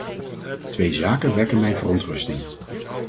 Twee zaken wekken mijn verontrusting.